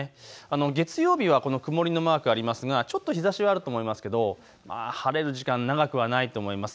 月曜日はこの曇りのマークありますがちょっと日ざしはあると思いますけど、晴れる時間長くはないと思います。